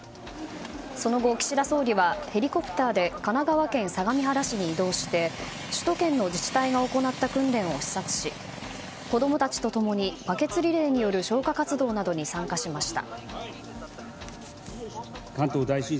その後、岸田総理はヘリコプターで神奈川県相模原市に移動して首都圏の自治体が行った訓練を視察し子供たちと共にバケツリレーによる消火活動などに参加しました。